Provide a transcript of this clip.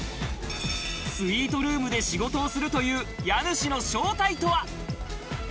スイートルームで仕事をするという、家主の正体とは？